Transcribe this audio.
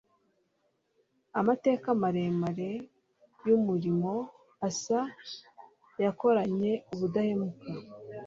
Amateka maremare yumurimo Asa yakoranye ubudahemuka